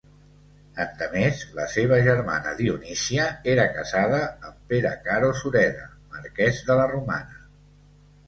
Endemés, la seva germana Dionísia era casada amb Pere Caro Sureda, marquès de la Romana.